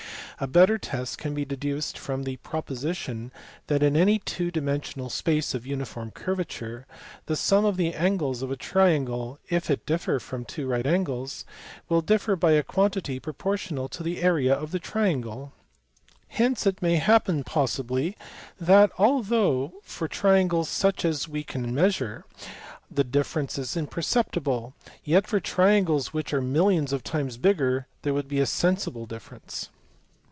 A better test can be deduced from the proposition that in any two dimensional space of uniform curvature the sum of the angles of a triangle, if it differ from two right angles, will differ by a quantity proportional to the area of the triangle. Hence it may happen possibly that, although for triangles such as we can measure the difference is imperceptible, yet for triangles which are millions of times bigger there would be a sensible difference.